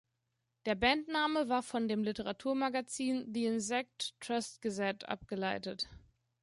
Der Bandname war von dem Literatur-Magazin "The Insect Trust Gazette" abgeleitet.